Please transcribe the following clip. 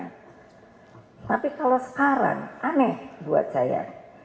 tapi kalau sekarang aneh buat saya